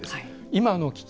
今の危機